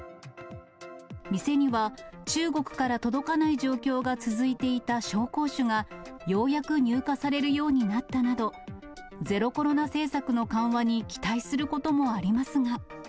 店には中国から届かない状況が続いていた紹興酒が、ようやく入荷されるようになったなど、ゼロコロナ政策の緩和に期待することもありますが。